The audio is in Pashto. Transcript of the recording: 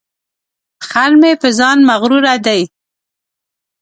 خر مې په ځان مغروره دی.